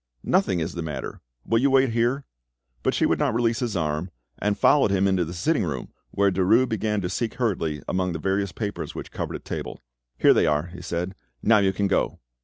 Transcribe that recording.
"Nothing is the matter: will you wait here? "But she would not release his arm, and followed him into the sitting room, where Derues began to seek hurriedly among the various papers which covered a table. "Here they are," he said; "now you can go."